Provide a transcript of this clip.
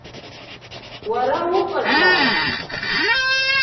Уара уҟазааит!